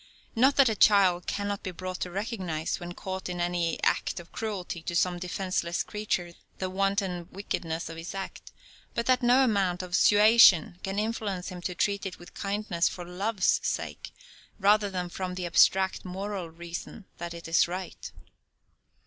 Not that a child cannot be brought to recognize, when caught in any act of cruelty to some defenseless creature, the wanton wickedness of his act, but that no amount of suasion can influence him to treat it with kindness for love's sake rather than from the abstract moral reason that it is right.